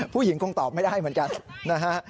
ผู้หญิงคงตอบไม่ได้เหมือนกันนะฮะ